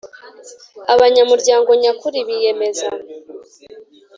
Abanyamuryango nyakuri biyemeza